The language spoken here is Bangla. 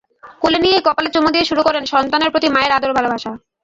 কোলে নিয়েই কপালে চুমু দিয়ে শুরু করেন সন্তানের প্রতি মায়ের আদর-ভালোবাসা।